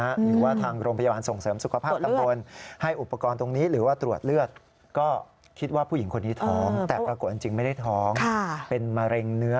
อย่างว่าทางโรงพยาบาลส่งเสริมสุขภาพตำบล